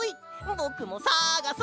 ぼくもさがそ！